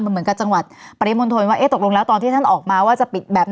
เหมือนกับจังหวัดปริมนธนวิทยาลัยสมัครวงศาสตร์แล้วตอนที่จะออกมาว่าจะ